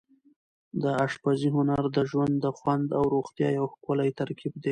د اشپزۍ هنر د ژوند د خوند او روغتیا یو ښکلی ترکیب دی.